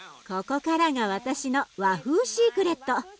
ここからが私の和風シークレット。